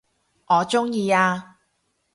我鍾意啊